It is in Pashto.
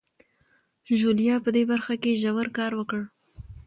ژوليا په دې برخه کې ژور کار وکړ.